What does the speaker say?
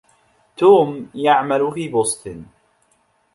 توم يعمل في بوسطن.